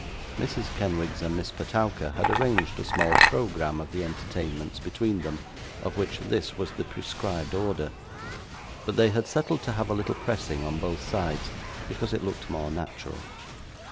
Mrs. Kenwigs and Miss Petowker had arranged a small PROGRAMME of the entertainments between them, of which this was the prescribed order, but they had settled to have a little pressing on both sides, because it looked more natural.